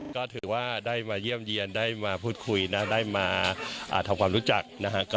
ก็ถือว่าได้มาเยี่ยมเยี่ยมได้มาพูดคุยนะได้มาทำความรู้จักนะฮะ